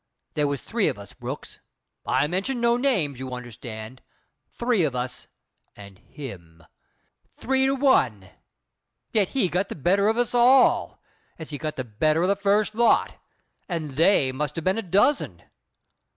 There was three of us, Brooks I mention no names, you understand three of us, and him. Three to one. Yet he got the better of us all as he got the better of the first lot, and they must ha' been a dozen.